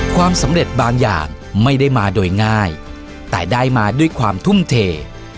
ความสำเร็จบางอย่างไม่ได้มาโดยง่ายแต่ได้มาด้วยความทุ่มเท